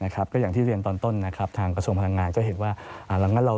ก็อย่างที่เรียนตอนต้นนะครับทางกระทรวมพลังงานก็เห็นว่า